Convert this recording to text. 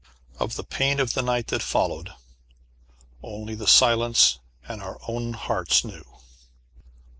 Of the pain of the night that followed, only the silence and our own hearts knew.